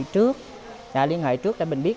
trước liên hệ trước để mình biết